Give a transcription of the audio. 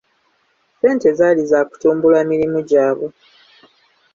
Ssente zaali za kutumbula mirimu gyabwe.